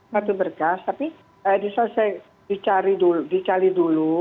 satu berkas tapi diselesai dicari dulu